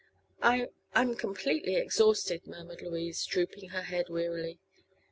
"I I'm completely exhausted," murmured Louise, drooping her head wearily.